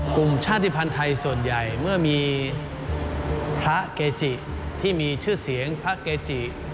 กลุ่มชาติภัณฑ์ไทยส่วนใหญ่เมื่อมีพระเกจิที่มีชื่อเสียงพระเกจิ